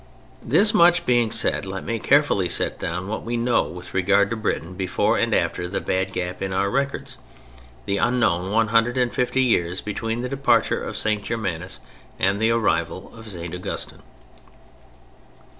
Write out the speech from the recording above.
This much being said, let me carefully set down what we know with regard to Britain before and after the bad gap in our records, the unknown one hundred and fifty years between the departure of St. Germanus and the arrival of St. Augustine.